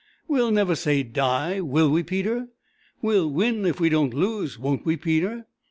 We'll never say die, will we, Peter? We'll win if we don't lose, won't we, Peter?"